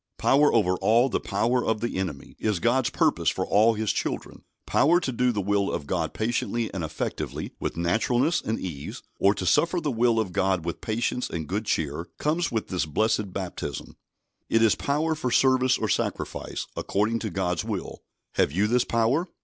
"Power over all the power of the enemy" is God's purpose for all His children. Power to do the will of God patiently and effectively, with naturalness and ease, or to suffer the will of God with patience and good cheer, comes with this blessed baptism. It is power for service or sacrifice, according to God's will. Have you this power?